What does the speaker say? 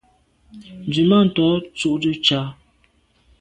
Nzwimàntô tsho’te ntsha.